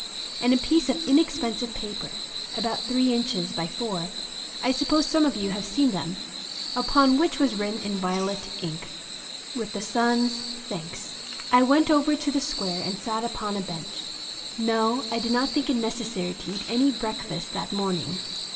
and a piece of inexpensive paper, about 3 inches by 4—I suppose some of you have seen them—upon which was written in violet ink, "With the Sun's thanks." I went over to the square and sat upon a bench. No; I did not think it necessary to eat any breakfast that morning.